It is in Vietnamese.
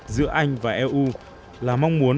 giữa anh và eu là mong muốn